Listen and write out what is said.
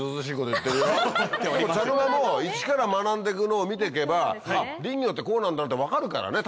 でも茶の間もイチから学んでくのを見てけば林業ってこうなんだなって分かるからね